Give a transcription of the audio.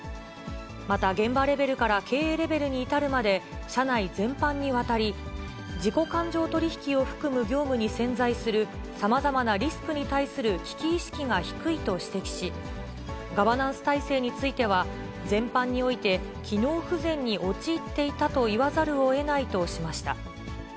また現場レベルから経営レベルに至るまで、社内全般にわたり、自己勘定取引を含む業務に潜在するさまざまなリスクに対する危機意識が低いと指摘し、ガバナンス体制については、全般において、機能不全に陥っていたと言わざるをえないとしました。